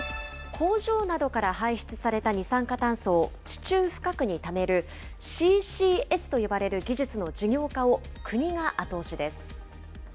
工場などから排出された二酸化炭素を地中深くにためる、ＣＣＳと呼ばれる技術の事業化を国が後押しです。